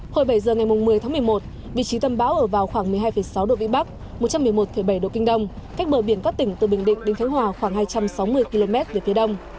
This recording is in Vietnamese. hồi bảy giờ ngày một mươi tháng một mươi một vị trí tâm bão ở vào khoảng một mươi hai sáu độ vĩ bắc một trăm một mươi một bảy độ kinh đông cách bờ biển các tỉnh từ bình định đến khánh hòa khoảng hai trăm sáu mươi km về phía đông